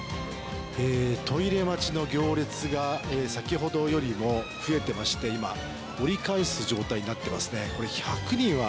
トイレ待ちの行列が、先ほどよりも増えてまして、今、折り返す状態になっていますね。